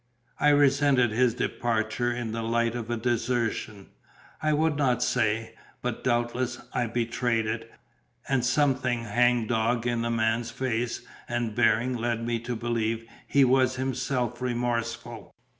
I resented his departure in the light of a desertion; I would not say, but doubtless I betrayed it; and something hang dog in the man's face and bearing led me to believe he was himself remorseful.